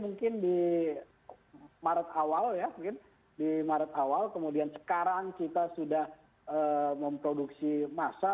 nah ini sudah sangat singkat sekali ya kita mulai mungkin di maret awal ya mungkin di maret awal kemudian sekarang kita sudah memproduksi masa